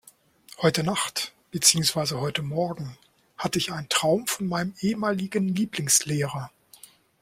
Heute Nacht, beziehungsweise heute Morgen hatte ich einen Traum von meinem ehemaligen Lieblingslehrer.